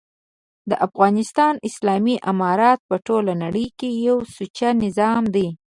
دافغانستان اسلامي امارت په ټوله نړۍ کي یو سوچه نظام دی